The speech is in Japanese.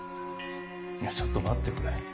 いやちょっと待ってくれ。